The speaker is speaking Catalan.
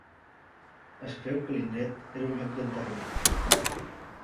Es creu que l'indret era un lloc d'enterrament.